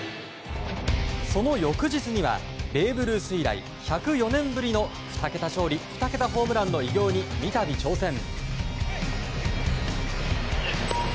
その翌日にはベーブ・ルース以来１０４年ぶりの２桁勝利２桁ホームランの偉業に三度挑戦。